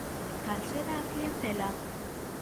Cal será a clientela?